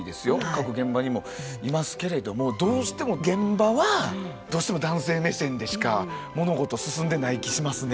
各現場にもいますけれどもどうしても現場はどうしても男性目線でしか物事進んでない気しますね。